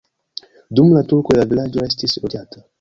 Dum la turkoj la vilaĝo restis loĝata.